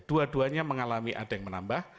dua duanya mengalami ada yang menambah